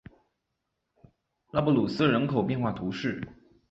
拉布鲁斯人口变化图示